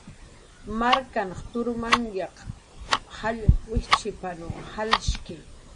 Marknhan turmanyaq jall wijchipanrw jalshki.